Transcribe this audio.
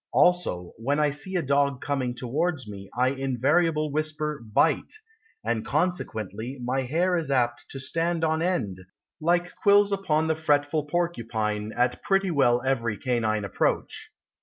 Also, When I see a dog coming towards me I invariably Whisper "Bite," And consequently My hair Is apt to stand on end Like quills upon the fretful porcupine At pretty well every canine approach.